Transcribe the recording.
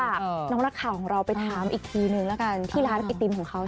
ก็ฝากน้องนักข่าวไปถามอีกทีหนึ่งด้วย